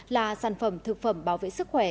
là sản phẩm thực phẩm bảo vệ sức khỏe